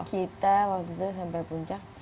kita waktu itu sampai puncak